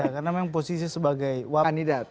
karena memang posisi sebagai kandidat